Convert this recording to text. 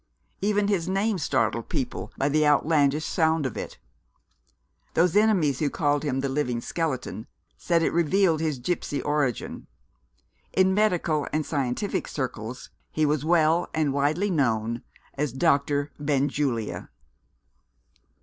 Even his name startled people by the outlandish sound of it. Those enemies who called him "the living skeleton" said it revealed his gipsy origin. In medical and scientific circles he was well and widely known as Doctor Benjulia.